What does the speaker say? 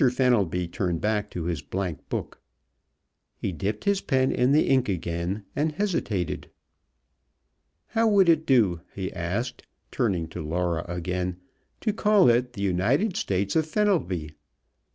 Fenelby turned back to his blankbook. He dipped his pen in the ink again, and hesitated. "How would it do," he asked, turning to Laura again, "to call it the 'United States of Fenelby?'